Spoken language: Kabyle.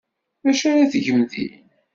D acu ara tgem din?